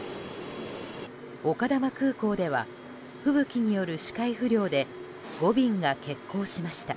丘珠空港では吹雪による視界不良で５便が欠航しました。